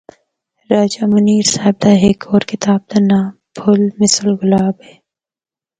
راجہ منیر صاحب دا ہک اور کتاب دا ناں ’پھل مثل گلاب‘ ہے۔